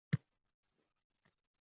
Mehnat bering